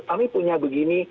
kami punya begini